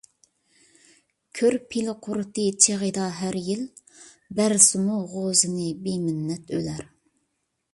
كۆر پىلە قۇرۇتى چېغىدا ھەر يىل، بەرسىمۇ غوزىنى بىمىننەت ئۆلەر.